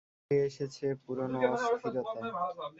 ফিরে এসেছে পুরোনো অস্থিরতা।